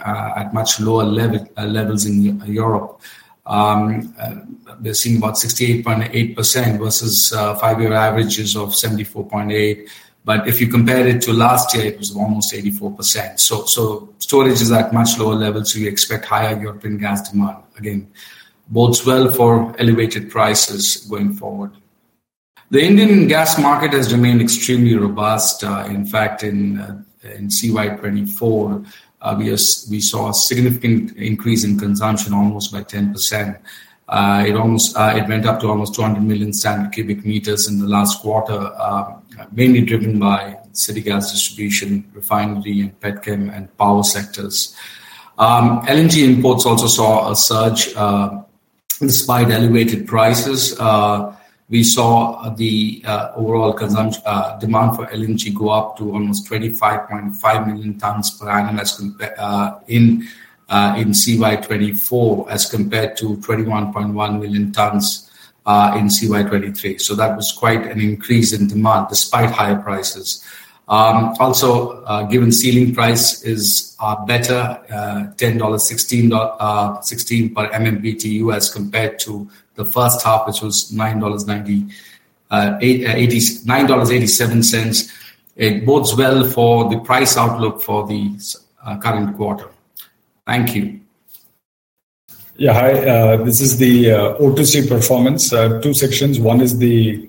at much lower levels in Europe. We're seeing about 68.8% versus five-year averages of 74.8%. But if you compare it to last year, it was almost 84%. So storage is at much lower levels, so we expect higher European gas demand. Again, bodes well for elevated prices going forward. The Indian gas market has remained extremely robust. In fact, in CY24, we saw a significant increase in consumption almost by 10%. It went up to almost 200 million standard cubic meters in the last quarter, mainly driven by city gas distribution, refinery, and pet chem and power sectors. LNG imports also saw a surge despite elevated prices. We saw the overall demand for LNG go up to almost 25.5 million tons per annum in CY24 as compared to 21.1 million tons in CY23. So that was quite an increase in demand despite higher prices. Also, given ceiling price is better, $10.16 per MMBtu as compared to the first half, which was $9.87. It bodes well for the price outlook for the current quarter. Thank you. Yeah, hi. This is the O2C performance. Two sections. One is the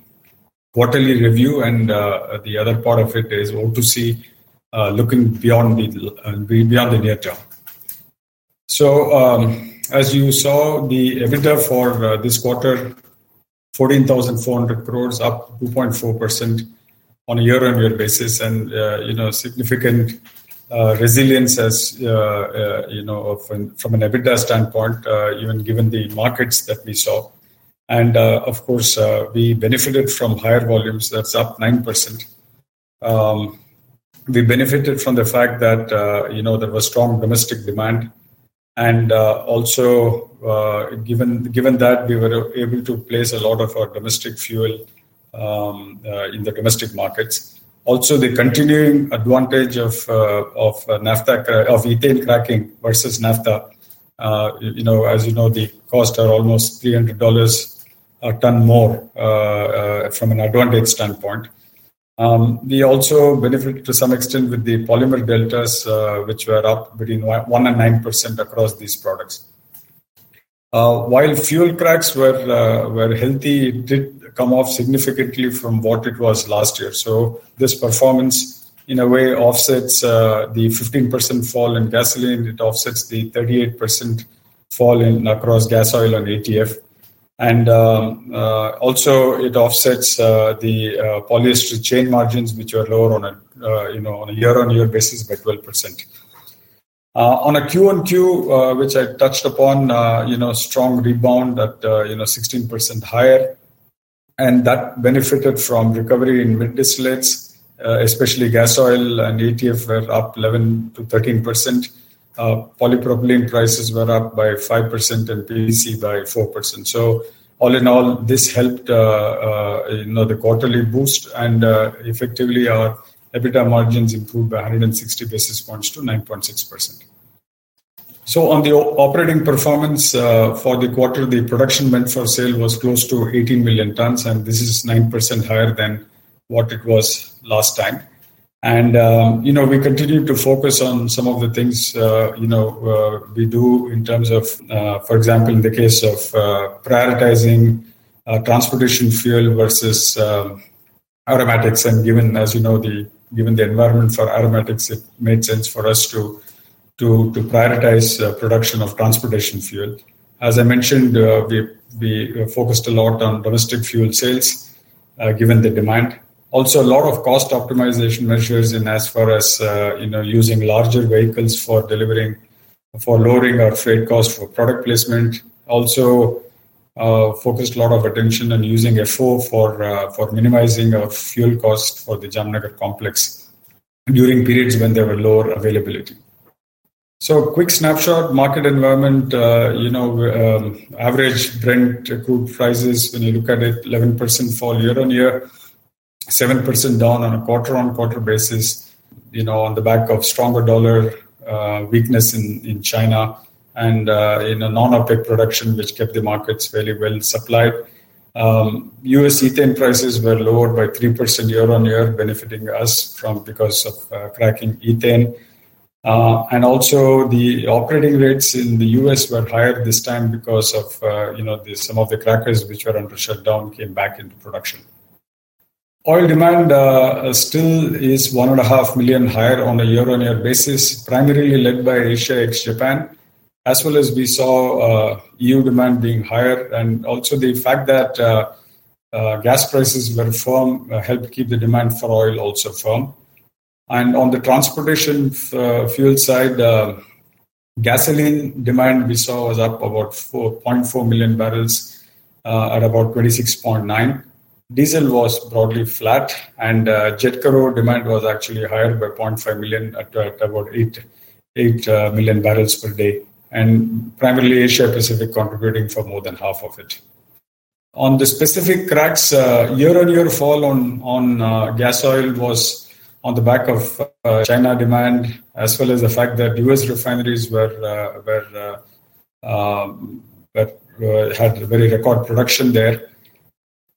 quarterly review, and the other part of it is O2C looking beyond the near term. So as you saw, the EBITDA for this quarter, 14,400 crores, up 2.4% on a year-on-year basis, and significant resilience from an EBITDA standpoint, even given the markets that we saw. And of course, we benefited from higher volumes. That's up 9%. We benefited from the fact that there was strong domestic demand. And also, given that, we were able to place a lot of our domestic fuel in the domestic markets. Also, the continuing advantage of ethane cracking versus naphtha. As you know, the costs are almost $300 a ton more from an advantage standpoint. We also benefited to some extent with the polymer deltas, which were up between 1% and 9% across these products. While fuel cracks were healthy, it did come off significantly from what it was last year. So this performance, in a way, offsets the 15% fall in gasoline. It offsets the 38% fall across Gasoil and ATF. And also, it offsets the polyester chain margins, which were lower on a year-on-year basis by 12%. On a Q on Q, which I touched upon, strong rebound at 16% higher. And that benefited from recovery in mid-distillates, especially Gasoil, and ATF were up 11%-13%. Polypropylene prices were up by 5% and PVC by 4%. So all in all, this helped the quarterly boost, and effectively, our EBITDA margins improved by 160 basis points to 9.6%. So on the operating performance for the quarter, the production meant for sale was close to 18 million tons, and this is 9% higher than what it was last time. And we continue to focus on some of the things we do in terms of, for example, in the case of prioritizing transportation fuel versus aromatics. Given the environment for aromatics, it made sense for us to prioritize production of transportation fuel. As I mentioned, we focused a lot on domestic fuel sales, given the demand. Also, a lot of cost optimization measures in as far as using larger vehicles for lowering our freight cost for product placement. Also, focused a lot of attention on using FO for minimizing our fuel cost for the Jamnagar Complex during periods when there were lower availability. Quick snapshot, market environment, average Brent crude prices, when you look at it, 11% fall year-on-year, 7% down on a quarter-on-quarter basis on the back of stronger dollar, weakness in China, and non-OPEC production, which kept the markets fairly well supplied. U.S. ethane prices were lowered by 3% year-on-year, benefiting us because of cracking ethane. Also, the operating rates in the U.S. were higher this time because of some of the crackers which were under shutdown came back into production. Oil demand still is 1.5 million higher on a year-on-year basis, primarily led by Asia ex Japan, as well as we saw EU demand being higher. Also, the fact that gas prices were firm helped keep the demand for oil also firm. On the transportation fuel side, gasoline demand we saw was up about 4.4 million barrels at about 26.9. Diesel was broadly flat, and jet fuel demand was actually higher by 0.5 million at about 8 million barrels per day, and primarily Asia Pacific contributing for more than half of it. On the specific cracks, year-on-year fall on gas oil was on the back of China demand, as well as the fact that U.S. refineries had very record production there.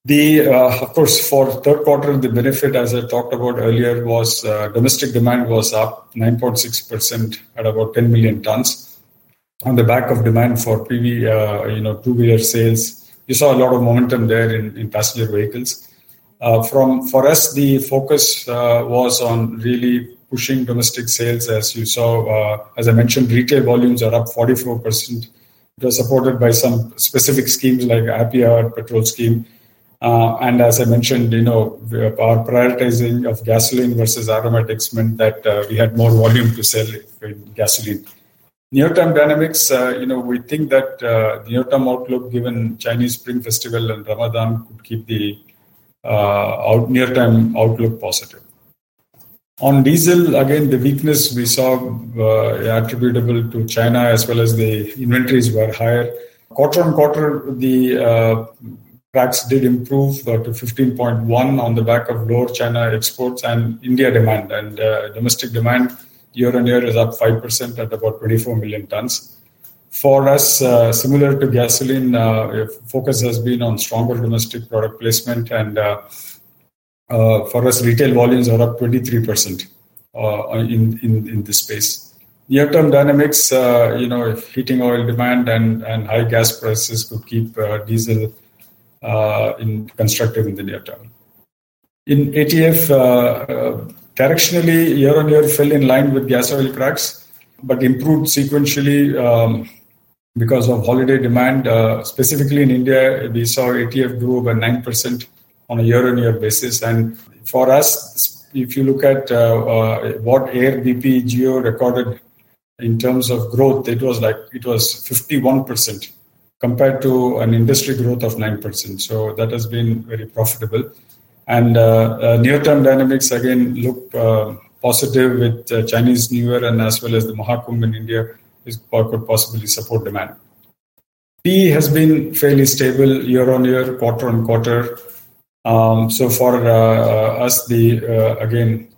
Of course, for third quarter, the benefit, as I talked about earlier, was domestic demand was up 9.6% at about 10 million tons on the back of demand for PV, two-wheeler sales. You saw a lot of momentum there in passenger vehicles. For us, the focus was on really pushing domestic sales, as you saw. As I mentioned, retail volumes are up 44%. It was supported by some specific schemes like Happy petrol scheme. And as I mentioned, our prioritizing of gasoline versus aromatics meant that we had more volume to sell gasoline. Near-term dynamics, we think that the near-term outlook, given Chinese Spring Festival and Ramadan, could keep the near-term outlook positive. On diesel, again, the weakness we saw attributable to China as well as the inventories were higher. Quarter-on-quarter, the cracks did improve to 15.1 on the back of lower China exports and India demand. Domestic demand year-on-year is up 5% at about 24 million tons. For us, similar to gasoline, focus has been on stronger domestic product placement. For us, retail volumes are up 23% in this space. Near-term dynamics, heating oil demand and high gas prices could keep diesel constructive in the near term. In ATF, directionally, year-on-year fell in line with gas oil cracks but improved sequentially because of holiday demand. Specifically in India, we saw ATF grow by 9% on a year-on-year basis. For us, if you look at what Air bp-Jio recorded in terms of growth, it was 51% compared to an industry growth of 9%. That has been very profitable. Near-term dynamics, again, look positive with Chinese New Year and as well as the Maha Kumbh in India could possibly support demand. LPG has been fairly stable year-on-year, quarter-on-quarter. For us, again,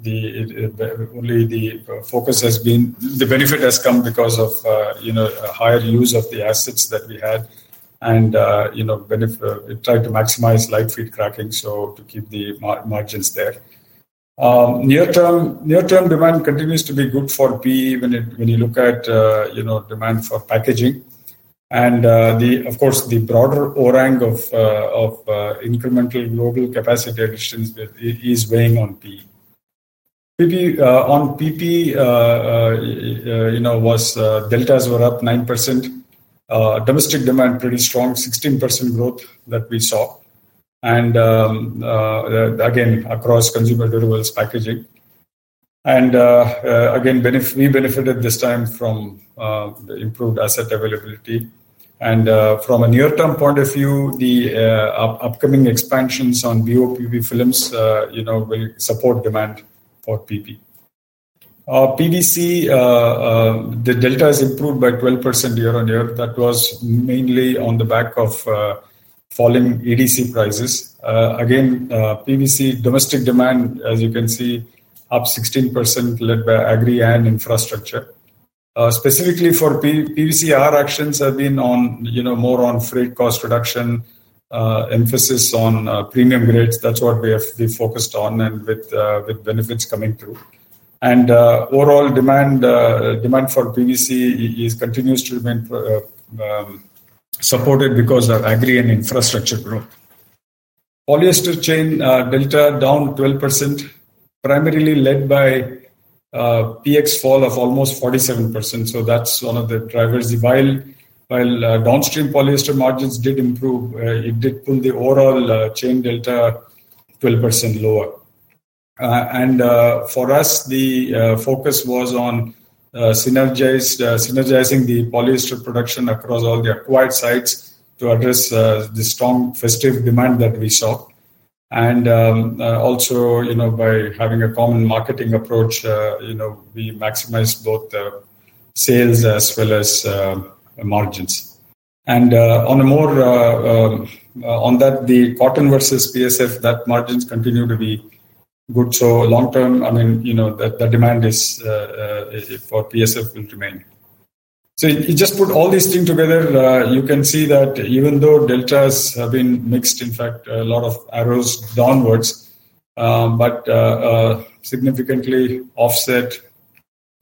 only the focus has been the benefit has come because of higher use of the assets that we had and tried to maximize light feed cracking to keep the margins there. Near-term demand continues to be good for PE when you look at demand for packaging. And of course, the broader range of incremental global capacity additions is weighing on PE. On PP, deltas were up 9%. Domestic demand pretty strong, 16% growth that we saw. And again, across consumer goods, well, packaging. And again, we benefited this time from improved asset availability. And from a near-term point of view, the upcoming expansions on BOPP films will support demand for PP. PVC, the delta has improved by 12% year-on-year. That was mainly on the back of falling EDC prices. Again, PVC domestic demand, as you can see, up 16% led by agri and infrastructure. Specifically for PVC, our actions have been more on freight cost reduction, emphasis on premium grades. That's what we focused on and with benefits coming through. And overall demand for PVC continues to remain supported because of agri and infrastructure growth. Polyester chain delta down 12%, primarily led by PX fall of almost 47%. So that's one of the drivers. While downstream polyester margins did improve, it did pull the overall chain delta 12% lower. And for us, the focus was on synergizing the polyester production across all the acquired sites to address the strong festive demand that we saw. And also, by having a common marketing approach, we maximized both sales as well as margins. And on that, the cotton versus PSF, that margins continue to be good. So long term, I mean, the demand for PSF will remain. So you just put all these things together, you can see that even though deltas have been mixed, in fact, a lot of arrows downwards, but significantly offset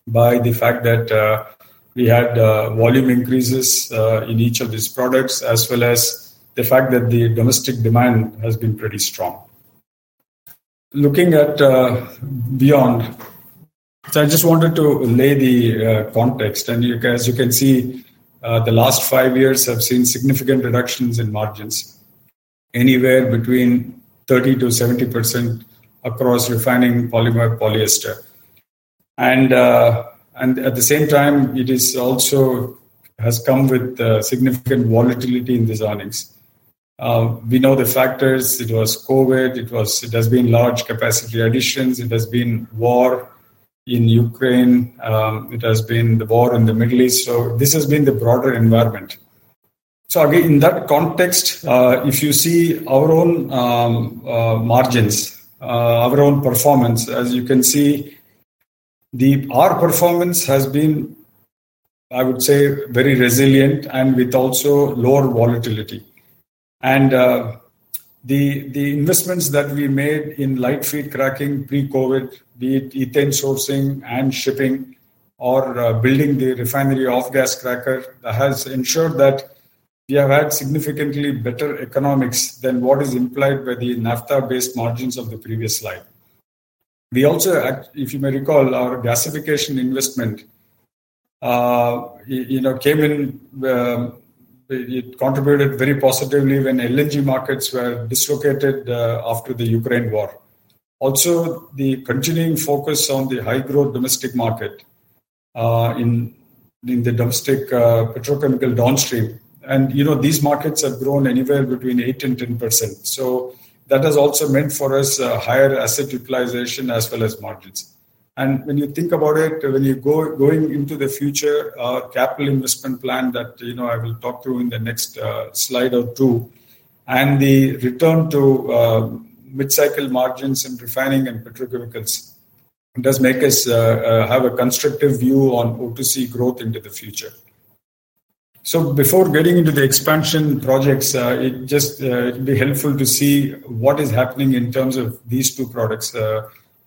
by the fact that we had volume increases in each of these products, as well as the fact that the domestic demand has been pretty strong. Looking beyond, so I just wanted to lay the context, and as you can see, the last five years have seen significant reductions in margins, anywhere between 30%-70% across refining, polymer, polyester, and at the same time, it also has come with significant volatility in these earnings. We know the factors. It was COVID. It has been large capacity additions. It has been war in Ukraine. It has been the war in the Middle East, so this has been the broader environment. So again, in that context, if you see our own margins, our own performance, as you can see, our performance has been, I would say, very resilient and with also lower volatility, and the investments that we made in light feed cracking pre-COVID, be it ethane sourcing and shipping or building the refinery off-gas cracker, has ensured that we have had significantly better economics than what is implied by the naphtha-based margins of the previous slide. We also, if you may recall, our gasification investment came in. It contributed very positively when LNG markets were dislocated after the Ukraine war, also the continuing focus on the high-growth domestic market in the domestic petrochemical downstream, and these markets have grown anywhere between 8% and 10%, so that has also meant for us higher asset utilization as well as margins. When you think about it, when you're going into the future capital investment plan that I will talk to in the next slide or two, and the return to mid-cycle margins in refining and petrochemicals does make us have a constructive view on O2C growth into the future. Before getting into the expansion projects, it would be helpful to see what is happening in terms of these two products. I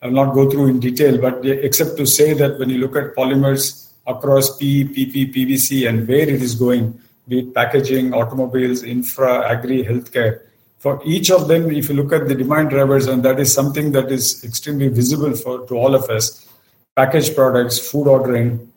will not go through in detail, but except to say that when you look at polymers across PE, PP, PVC, and where it is going, be it packaging, automobiles, infra, agri, healthcare. For each of them, if you look at the demand drivers, and that is something that is extremely visible to all of us, package products, food ordering,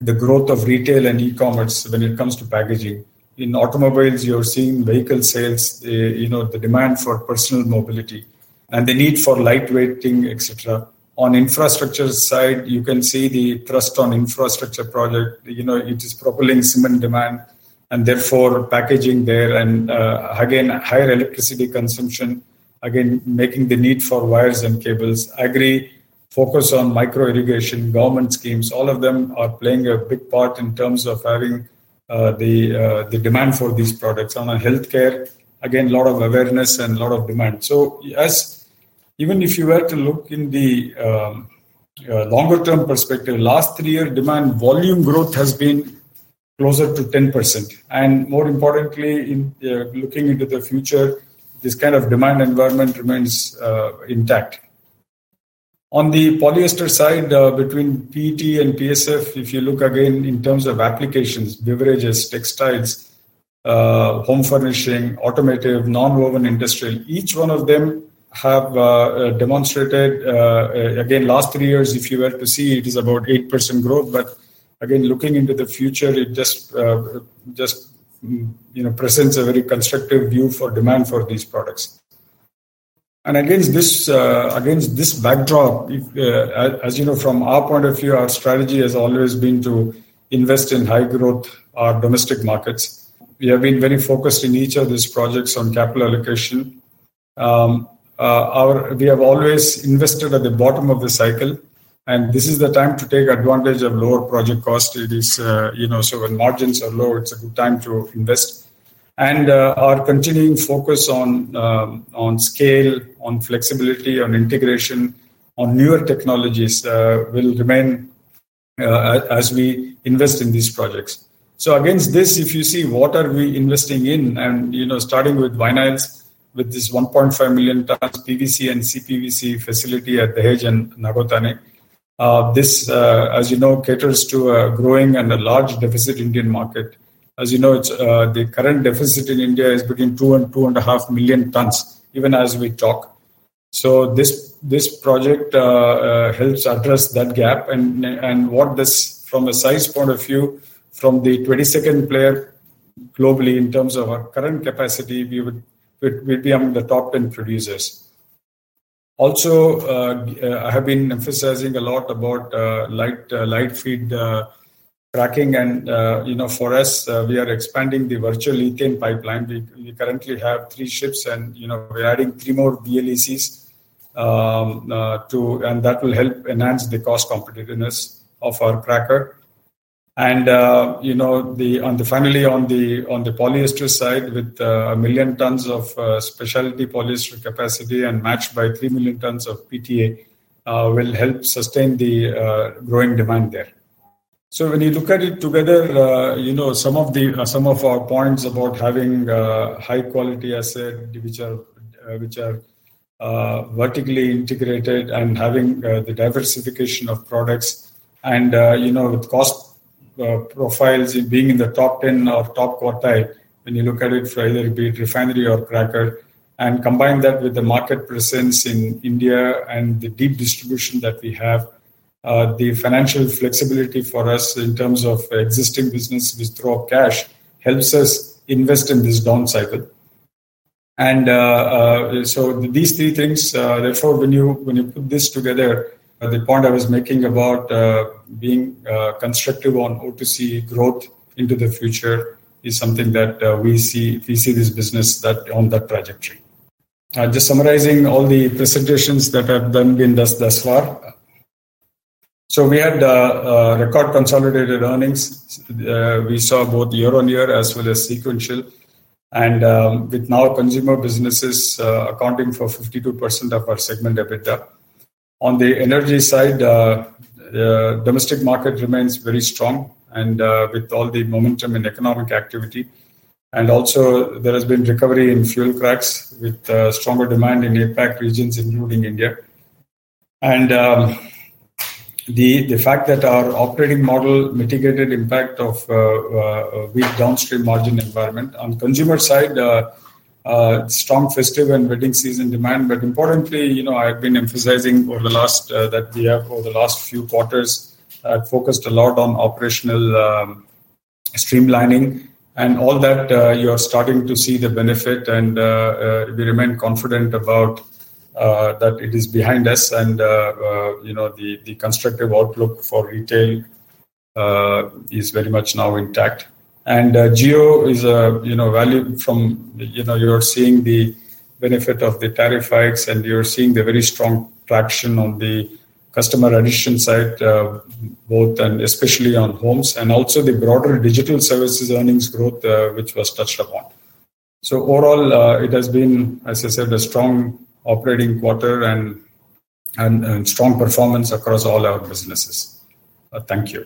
the growth of retail and e-commerce when it comes to packaging. In automobiles, you're seeing vehicle sales, the demand for personal mobility, and the need for lightweighting, etc. On infrastructure side, you can see the thrust on infrastructure projects. It is propelling cement demand and therefore packaging there. And again, higher electricity consumption, again, making the need for wires and cables. Agri, focus on micro irrigation, government schemes. All of them are playing a big part in terms of having the demand for these products. On healthcare, again, a lot of awareness and a lot of demand. So even if you were to look in the longer-term perspective, last three-year demand volume growth has been closer to 10%. And more importantly, looking into the future, this kind of demand environment remains intact. On the polyester side, between PET and PSF, if you look again in terms of applications, beverages, textiles, home furnishing, automotive, non-woven industrial, each one of them have demonstrated, again, last three years, if you were to see, it is about 8% growth. But again, looking into the future, it just presents a very constructive view for demand for these products. And against this backdrop, as you know, from our point of view, our strategy has always been to invest in high-growth domestic markets. We have been very focused in each of these projects on capital allocation. We have always invested at the bottom of the cycle, and this is the time to take advantage of lower project cost. So when margins are low, it's a good time to invest. Our continuing focus on scale, on flexibility, on integration, on newer technologies will remain as we invest in these projects. So against this, if you see what are we investing in, and starting with vinyls with this 1.5 million tons PVC and CPVC facility at the Dahej and Nagothane, this, as you know, caters to a growing and a large deficit Indian market. As you know, the current deficit in India is between 2 and 2.5 million tons, even as we talk. So this project helps address that gap. And from a size point of view, from the 22nd player globally in terms of our current capacity, we would be among the top 10 producers. Also, I have been emphasizing a lot about light feed cracking. And for us, we are expanding the virtual ethane pipeline. We currently have three ships, and we're adding three more VLECs, and that will help enhance the cost competitiveness of our cracker. On the family on the polyester side, with a million tons of specialty polyester capacity and matched by three million tons of PTA, that will help sustain the growing demand there. When you look at it together, some of our points about having high-quality asset, which are vertically integrated and having the diversification of products and with cost profiles being in the top 10 or top quartile, when you look at it for either be it refinery or cracker, and combine that with the market presence in India and the deep distribution that we have, the financial flexibility for us in terms of existing business with draw cash helps us invest in this down cycle. And so these three things, therefore, when you put this together, the point I was making about being constructive on O2C growth into the future is something that we see this business on that trajectory. Just summarizing all the presentations that have been done thus far. So we had record consolidated earnings. We saw both year-on-year as well as sequential. And with now consumer businesses accounting for 52% of our segment EBITDA. On the energy side, the domestic market remains very strong with all the momentum in economic activity. And also, there has been recovery in fuel cracks with stronger demand in APAC regions, including India. And the fact that our operating model mitigated impact of weak downstream margin environment. On consumer side, strong festive and wedding season demand. But importantly, I have been emphasizing over the last few quarters that I've focused a lot on operational streamlining. You're starting to see the benefit of all that. We remain confident that it is behind us. The constructive outlook for retail is very much intact now. And Jio is a value from. You're seeing the benefit of the tariff hikes, and you're seeing the very strong traction on the customer addition side, both and especially on homes and also the broader digital services earnings growth, which was touched upon. Overall, it has been, as I said, a strong operating quarter and strong performance across all our businesses. Thank you.